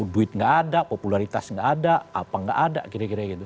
duit nggak ada popularitas nggak ada apa nggak ada kira kira gitu